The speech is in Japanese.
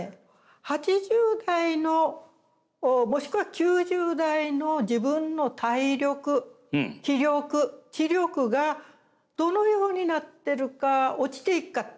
８０代のもしくは９０代の自分の体力気力知力がどのようになってるか落ちていくか。